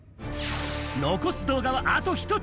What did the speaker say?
残す動画はあと１つ。